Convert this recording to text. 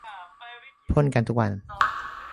พ่นกันทุกวัน